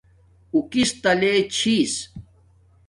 اُو کس تا لے چھس